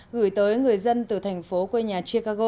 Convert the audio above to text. gửi tới người dân từ thành phố quê nhà chicago